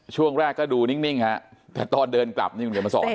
ช่วงแรกก็ดูนิ่งฮะแต่ตอนเดินกลับนี่คุณเดี๋ยวมาสอน